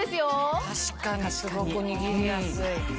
確かにすごく握りやすい。